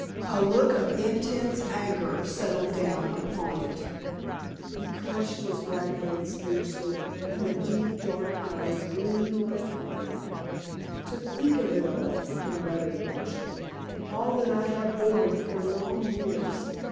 A look of intense anger settled down upon it. He clinched his white hands fiercely, and the deep, dark eyes gleamed like fire. "To think of it all!" he muttered, harshly "all that I have borne for long years!